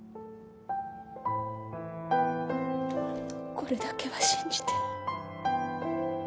これだけは信じて。